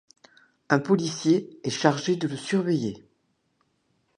Un policier est chargé de le surveiller.